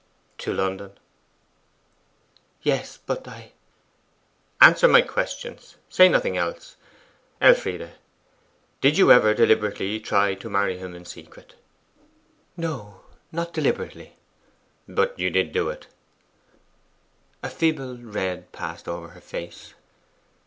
'To London?' 'Yes; but I ' 'Answer my questions; say nothing else, Elfride Did you ever deliberately try to marry him in secret?' 'No; not deliberately.' 'But did you do it?' A feeble red passed over her face.